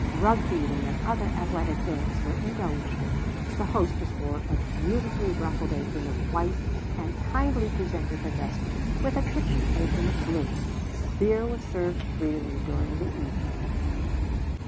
Rug beating and other athletic games were indulged in. The hostess wore a beautifully ruffled apron of white and kindly presented her guest with a kitchen apron of blue. Beer was served freely during the evening.'"